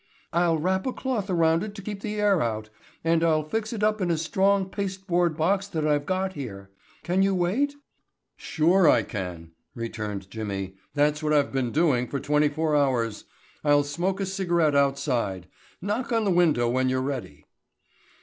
"I'll wrap a cloth around it to keep the air out, and I'll fix it up in a strong pasteboard box that I've got here. Can you wait?" "Sure I can," returned Jimmy. "That's what I've been doing for twenty four hours. I'll smoke a cigarette outside. Knock on the window when you're ready."